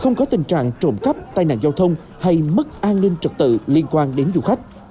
không có tình trạng trộm cắp tai nạn giao thông hay mất an ninh trật tự liên quan đến du khách